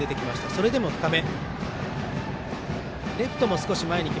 それでも深め。